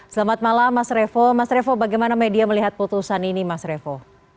selamat malam mas revo mas revo bagaimana media melihat putusan ini mas revo